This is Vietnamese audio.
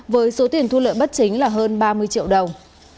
với số tiền thu lợi bất chính là hơn ba mươi triệu đồng